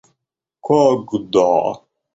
когда